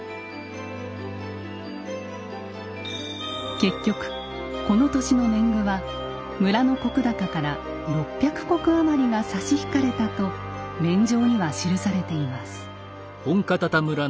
結局この年の年貢は村の石高から６００石余りが差し引かれたと免定には記されています。